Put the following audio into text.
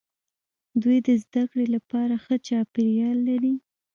دوی د زده کړې لپاره ښه چاپیریال لري.